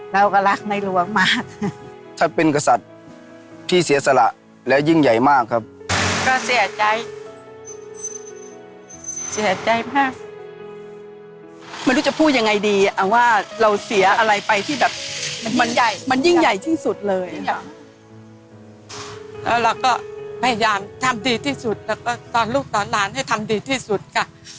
แล้วเราก็พยายามทำดีที่สุดแล้วก็ตอนลูกตอนหลานให้ทำดีที่สุดค่ะ